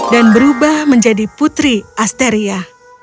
dan berubah menjadi putri asteria